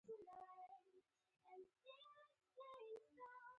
د حقونو پیژندل او ادا کول د انسانیت غوښتنه ده.